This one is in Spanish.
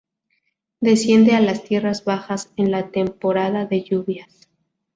Desciende a las tierras bajas en la temporada de lluvias.